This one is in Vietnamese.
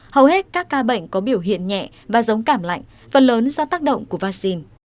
hầu hết các ca bệnh có biểu hiện nhẹ và giống cảm lạnh phần lớn do tác động của vaccine